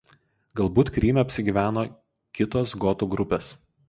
Galbūt Kryme apsigyveno kitos gotų grupės.